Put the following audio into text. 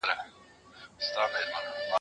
ما مخکي د سبا لپاره د يادښتونه بشپړي کړې!.